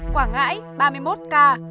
quảng ngãi ba mươi một ca